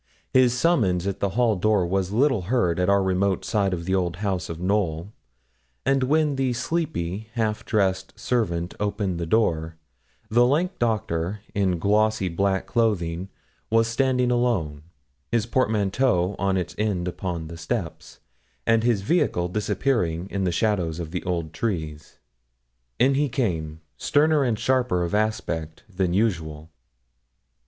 His summons at the hall door was little heard at our remote side of the old house of Knowl; and when the sleepy, half dressed servant opened the door, the lank Doctor, in glossy black clothing, was standing alone, his portmanteau on its end upon the steps, and his vehicle disappearing in the shadows of the old trees. In he came, sterner and sharper of aspect than usual.